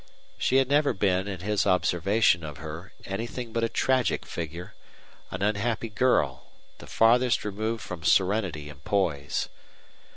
She had never been, in his observation of her, anything but a tragic figure, an unhappy girl, the farthest removed from serenity and poise.